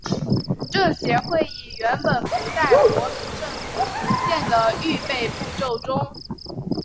政协会议原本不在国民政府行宪的预备步骤中。